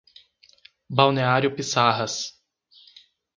Balneário Piçarras